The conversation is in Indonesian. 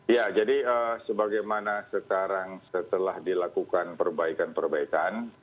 ya jadi sebagaimana sekarang setelah dilakukan perbaikan perbaikan